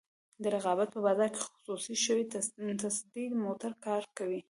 د رقابت په بازار کې خصوصي شوې تصدۍ موثر کار کوي.